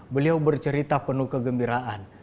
beliau bercerita penuh kegembiraan